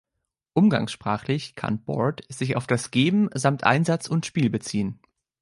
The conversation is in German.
Umgangssprachlich kann „Board“ sich auf das Geben samt Einsatz und Spiel beziehen.